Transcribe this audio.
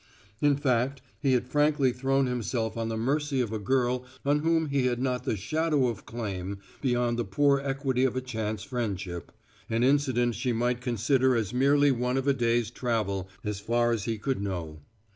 In fact, he had frankly thrown himself on the mercy of a girl on whom he had not the shadow of claim beyond the poor equity of a chance friendship an incident she might consider as merely one of a day's travel as far as he could know.